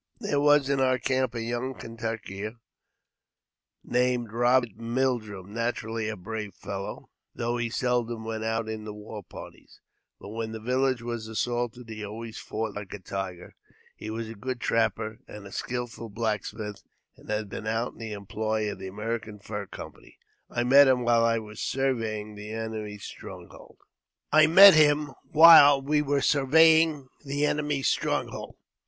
There was in our camp a young Kentuckian named Eoberi^ Mildrum, naturally a brave fellow, though he seldom went out in the war parties ; but when the village was assaulted, he always fought like a tiger. He was a good trapper and a skilful blacksmith, and had been out in the employ of the American Fur Company. I met him while we were surveying] the enemy's stronghold.